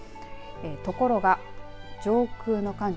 ところが、上空の寒気